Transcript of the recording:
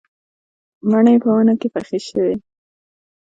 مڼې په ونو کې پخې شوې